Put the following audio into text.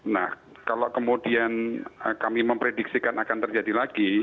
nah kalau kemudian kami memprediksikan akan terjadi lagi